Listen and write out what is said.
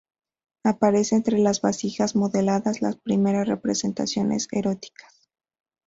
Aparecen entre las vasijas modeladas las primera representaciones eróticas.